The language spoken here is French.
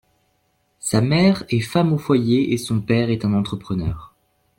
Sa mère est femme au foyer et son père est un entrepreneur.